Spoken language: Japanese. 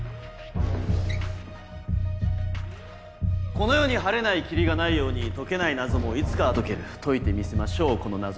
この世に晴れない霧がないように解けない謎もいつかは解ける解いてみせましょうこの謎を。